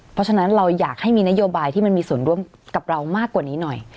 เพราะฉะนั้นเราอยากให้มีนโยบายที่มันมีส่วนร่วมกับเรามากกว่านี้หน่อย